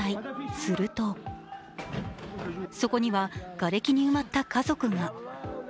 するとそこにはがれきに埋まった家族が。